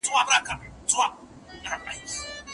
زه مې د «مينې» وچې شونډې هيڅ زغملای نه شم